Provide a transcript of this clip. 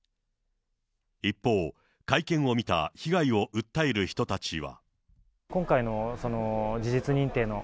一方、会見を見た被害を訴える人たちは。